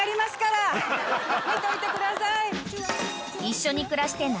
見といてください。